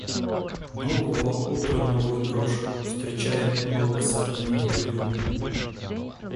Нового утра новую дрожь встречаем у новых сомнений в бреду мы.